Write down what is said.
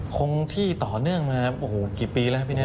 คลงที่ต่อเนื่องมากี่ปีแล้วนะ